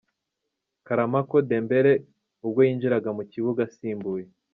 Karamako Dembele ubwo yinjiraga mu kibuga asimbuye.